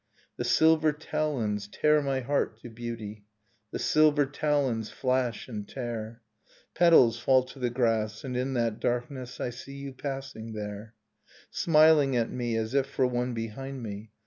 The silver talons tear my heart to beauty, The silver talons flash and tear ... Petals fall to the grass, and in that darkness I see you passing there, Smiling at me as if for one behind me.